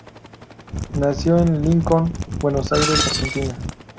Nació en Lincoln, Buenos Aires, Argentina.